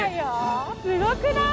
すごくない？